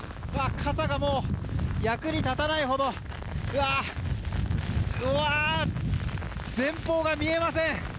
傘がもう、役に立たないほど前方が見えません。